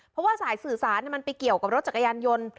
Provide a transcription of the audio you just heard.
เพราะว่าสายสื่อสารมันไปเกี่ยวกับรถจักรยานยนต์